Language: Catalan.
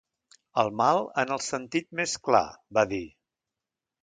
El mal en el sentit més clar, va dir.